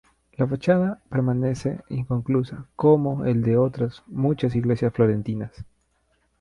La fachada permanece inconclusa, como el de otras muchas iglesias florentinas.